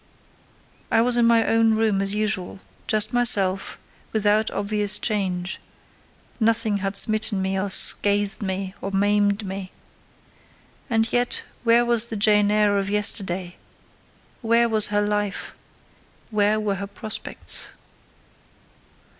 I was in my own room as usual—just myself, without obvious change: nothing had smitten me, or scathed me, or maimed me. And yet where was the Jane Eyre of yesterday?—where was her life?—where were her prospects?